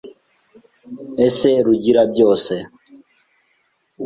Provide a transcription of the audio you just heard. Ese Rugira byose